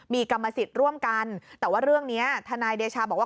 มีกรรมสิทธิ์ร่วมกันแต่ว่าเรื่องนี้ทนายเดชาบอกว่า